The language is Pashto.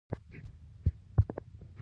دوی د خوړو خوندیتوب ته پام کوي.